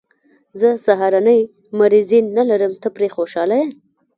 زه سهارنۍ مریضي نه لرم، ته پرې خوشحاله یې.